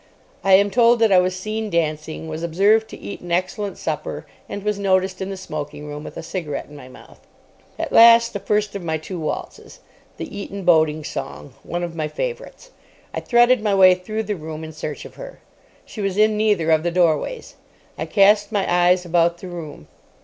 I am told that I was seen dancing, was observed to eat an excellent supper, and was noticed in the smoking room with a cigarette in my mouth. At last the first of my two waltzes. The Eton Boating Song—one of my favourites. I threaded my way through the room in search of her. She was in neither of the doorways. I cast my eyes about the room.